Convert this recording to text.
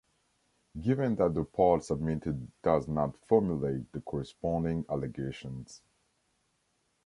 Given that the part submitted does not formulate the corresponding allegations.